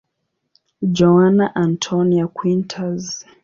Joana Antónia Quintas.